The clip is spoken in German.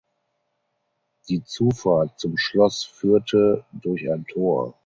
Die Zufahrt zum Schloss führte durch ein Tor.